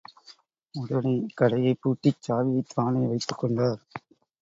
உடனே கடையைப் பூட்டிச் சாவியைத் தானே வைத்துக்கொண்டார்.